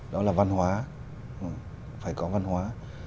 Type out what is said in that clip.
đó là văn hóa phải có văn hóa